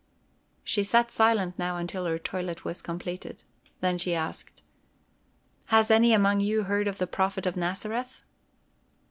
She sat silent now until her toilet was completed. Then she asked: "Has any among you heard of the Prophet of Nazareth?"